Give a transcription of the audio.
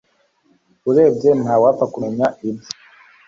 urebye ntwawapfa kumenya ibye